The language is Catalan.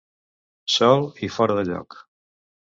Sol i fora de lloc.